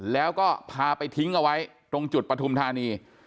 แล้วก็พาไปทิ้งเอาไว้ตรงจุดปฐุมธานี